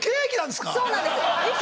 そうなんです！